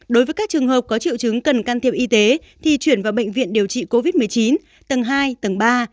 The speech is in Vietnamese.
đối với các trường hợp có triệu chứng cần can thiệp y tế thì chuyển vào bệnh viện điều trị covid một mươi chín tầng hai tầng ba